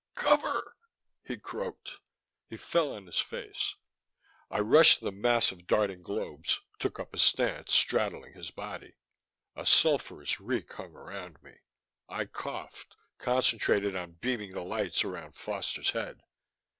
"Cover," he croaked. He fell on his face. I rushed the mass of darting globes, took up a stance straddling his body. A sulphurous reek hung around me. I coughed, concentrated on beaming the lights around Foster's head.